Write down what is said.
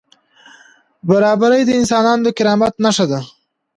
برابري د انسان د کرامت نښه ده.